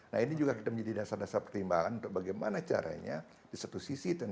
nah ini juga kita menjadi dasar dasar pertimbangan untuk bagaimana caranya di satu sisi